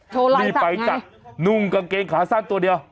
โทรไหลซะไงนี่ไปจากนุ่งกางเกงขาสั้นตัวเดียว